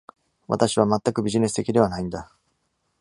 私は全くビジネス的ではないんだ。